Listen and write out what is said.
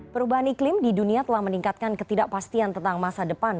perubahan iklim di dunia telah meningkatkan ketidakpastian tentang masa depan